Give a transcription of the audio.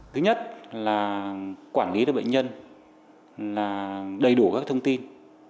thứ nhất là quản lý được bệnh nhân là đầy đủ các thông tin